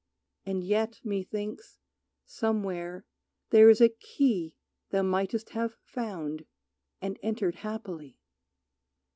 And yet, methinks, somewhere there is a key Thou mightest have found, and entered happily.